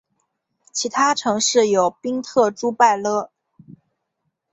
其他城市有宾特朱拜勒。